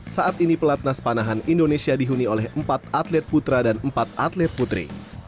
saat ini pelatnas panahan indonesia dihuni oleh empat atlet putra dan empat atlet putri